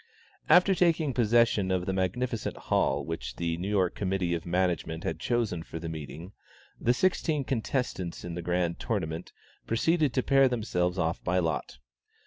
After taking possession of the magnificent hall which the New York Committee of Management had chosen for the meeting, the sixteen contestants in the Grand Tournament, proceeded to pair themselves off by lot.